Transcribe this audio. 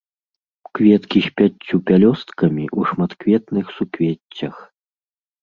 Кветкі з пяццю пялёсткамі, у шматкветных суквеццях.